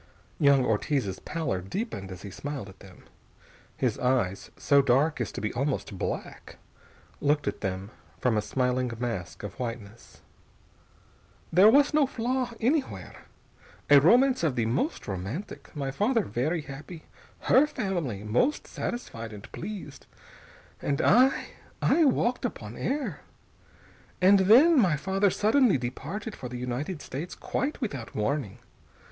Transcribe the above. Young Ortiz's pallor deepened as he smiled at them. His eyes, so dark as to be almost black, looked at them from a smiling mask of whiteness. "There was no flaw anywhere. A romance of the most romantic, my father very happy, her family most satisfied and pleased, and I I walked upon air. And then my father suddenly departed for the United States, quite without warning.